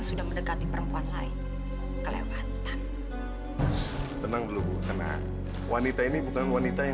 sampai jumpa di video selanjutnya